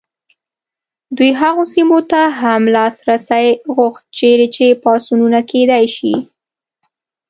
دوی هغو سیمو ته هم لاسرسی غوښت چیرې چې پاڅونونه کېدای شي.